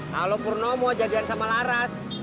kalau purnomo jadian sama laras